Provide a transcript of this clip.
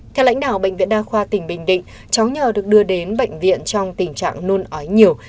theo lãnh đạo bệnh viện đa khoa tỉnh bình định cháu nhờ được đưa đến bệnh viện trong tình trạng nôn ói nhiều